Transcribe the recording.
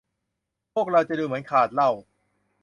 พวกเราดูเหมือนจะขาดเหล้า